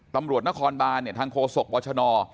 ตำรวจนครบานทางโฆษกวชน